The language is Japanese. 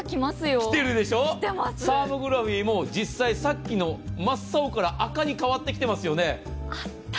きてるでしょう、サーモグラフィーも実際さっきの真っ青から赤に変わってきてますよね。